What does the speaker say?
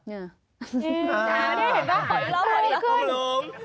นี่เห็นป่ะหลังอีกครั้งลง